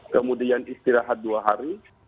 kemudian istirahat dua hari